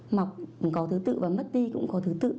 mọc có thứ tự và mất đi cũng có thứ tự